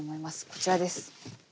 こちらです。